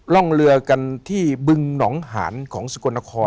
ร่องเรือกันที่บึงหนองหานของสกลนคร